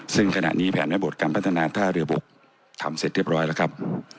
ซึ่งขณะนี้แผนระบบการพัฒนาท่าเรือบกทำเสร็จเรียบร้อยแล้วครับ